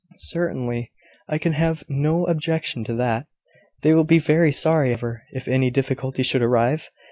"Certainly. I can have no objection to that. They will be very sorry, however, if any difficulty should arise.